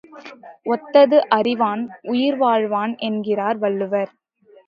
ஒத்தது அறிவான் உயிர்வாழ்வான் என்கிறார் வள்ளுவர்.